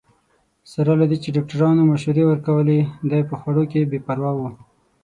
سره له دې چې ډاکټرانو مشورې ورکولې، دی په خوړو کې بې پروا وو.